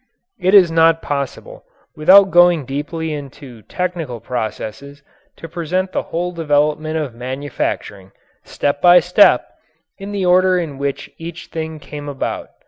It is not possible, without going deeply into technical processes, to present the whole development of manufacturing, step by step, in the order in which each thing came about.